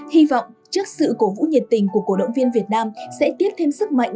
hy vọng trước sự cổ vũ nhiệt tình của cổ động viên việt nam sẽ tiếp thêm sức mạnh